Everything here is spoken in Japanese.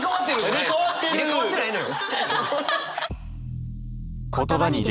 入れ替わってないのよ。